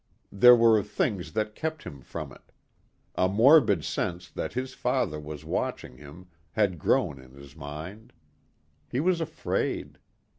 There were things that kept him from it. A morbid sense that his father was watching him had grown in his mind. He was afraid.